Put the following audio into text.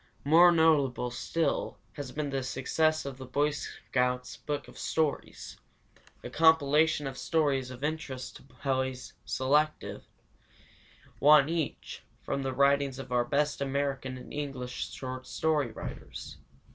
More notable still has been the success of the Boy Scouts' Book of Stories, a compilation of stories of interest to boys selected, one each, from the writings of our best American and English short story writers.